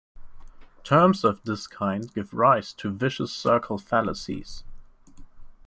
Terms of this kind give rise to vicious circle fallacies.